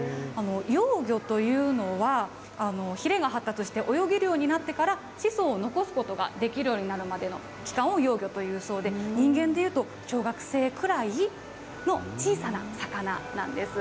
幼魚というのは、ひれが発達して泳げるようになってから、子孫を残すことができるようになるまでの期間を幼魚というそうで、人間でいうと、小学生くらいの小さな魚なんです。